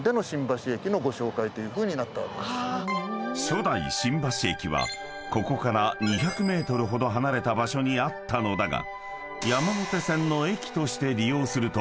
［初代新橋駅はここから２００ｍほど離れた場所にあったのだが］